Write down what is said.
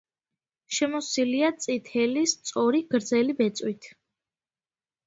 შემოსილია წითელი, სწორი, გრძელი ბეწვით.